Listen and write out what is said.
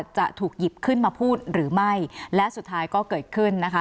จะถูกหยิบขึ้นมาพูดหรือไม่และสุดท้ายก็เกิดขึ้นนะคะ